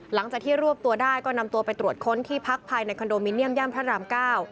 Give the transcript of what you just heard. หลังจากที่รวบตัวได้ก็นำตัวไปตรวจค้นที่พักภายในคอนโดมิเนียมย่านพระรามเก้า